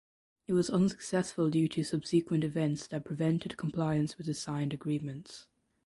It was unsuccessful due to subsequent events that prevented compliance with the signed agreements.